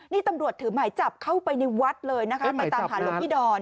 นี่ตำรวจถือหมายจับเข้าไปในวัดเลยนะคะไปตามหาหลวงพี่ดอน